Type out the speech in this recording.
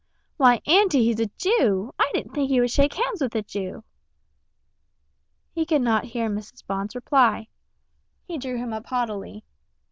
"Why, Auntie, he's a Jew! I didn't think you would shake hands with a Jew!" He could not hear Mrs. Bond's reply. He drew himself up haughtily.